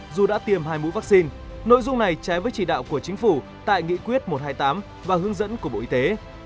dù đã tiêm hai mũi vaccine nội dung này trái với chỉ đạo của chính phủ tại nghị quyết một trăm hai mươi tám và hướng dẫn của bộ y tế